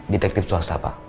detektif swasta pak